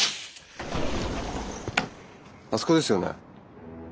あそこですよね？